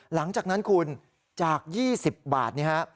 หลังจากนั้นคุณจาก๒๐บาทนี้ฮะ